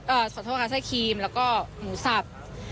ขอโทษค่ะไส้ครีมแล้วก็หมูสับ